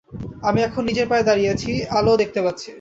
আমি এখন নিজের পায়ে দাঁড়িয়েছি, আলোও দেখতে পাচ্ছি।